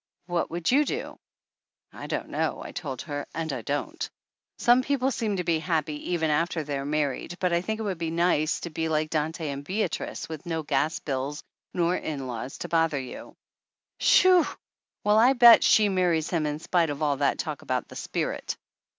"What would you do?" "I don't know," I told her, and I don't. "Some people seem to be happy even after they're mar 238 THE ANNALS OF ANN ried, but I think it would be nice to be like Dante and Beatrice, with no gas bills nor in laws to bother you." "Shoo ! Well, I bet she marries him in spite of all that talk about the spirit.